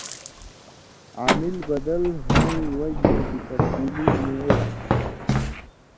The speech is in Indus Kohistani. عامل بدل ہُوئیں وجہۡ نہ گی تبدیلی نی اے